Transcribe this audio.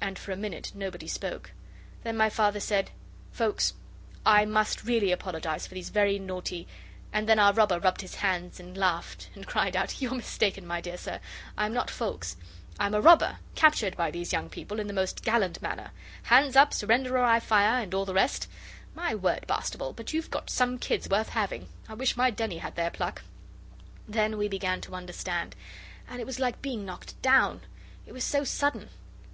And for a minute nobody spoke. Then my Father said, 'Foulkes, I must really apologize for these very naughty ' And then our robber rubbed his hands and laughed, and cried out: 'You're mistaken, my dear sir, I'm not Foulkes; I'm a robber, captured by these young people in the most gallant manner. "Hands up, surrender, or I fire," and all the rest of it. My word, Bastable, but you've got some kids worth having! I wish my Denny had their pluck.' Then we began to understand, and it was like being knocked down, it was so sudden.